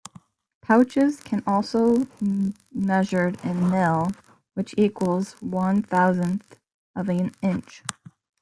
Pouches can also measured in mil, which equals one thousandth of an inch.